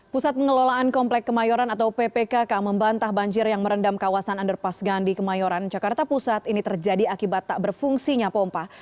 pusat pengelolaan komplek kemayoran atau ppkk membantah banjir yang merendam kawasan underpass gandhi kemayoran jakarta pusat ini terjadi akibat tak berfungsinya pompa